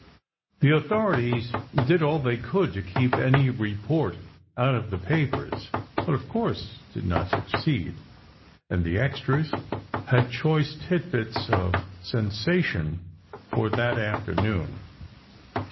The authorities did all they could to keep any report out of the papers, but, of course, did not succeed, and the "extras" had choice tit bits of sensation for that after ^ noon.